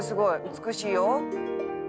美しいよ」